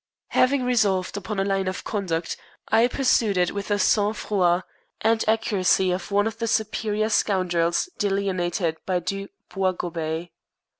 Having resolved upon a line of conduct, I pursued it with the sang froid and accuracy of one of the superior scoundrels delineated by Du Boisgobey.